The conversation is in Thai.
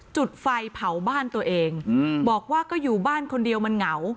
จุดไฟเผาบ้านตัวเองบอกว่าก็อยู่บ้านคนเดียวมันเหงา